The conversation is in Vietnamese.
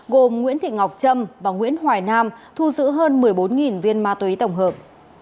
gồm nguyễn thị ngọc trâm và nguyễn hoài nam thu giữ hơn một mươi bốn viên ma túy tổng hợp